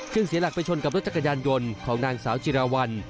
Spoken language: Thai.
เสียหลักไปชนกับรถจักรยานยนต์ของนางสาวจิราวัล